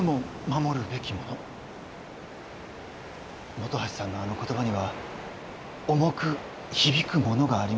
本橋さんのあの言葉には重く響くものがありました。